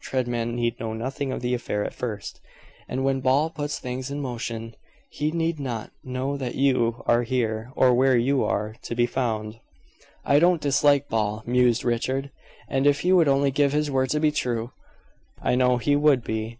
Treadman need know nothing of the affair at first; and when Ball puts things in motion, he need not know that you are here, or where you are to be found." "I don't dislike Ball," mused Richard, "and if he would only give his word to be true, I know he would be.